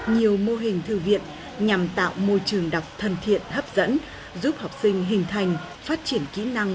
nhiều mô hình thư viện nhằm tạo môi trường đọc thân thiện hấp dẫn giúp học sinh hình thành phát triển kỹ năng